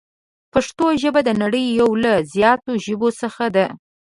پښتو ژبه د نړۍ یو له زیاتو ژبو څخه ده.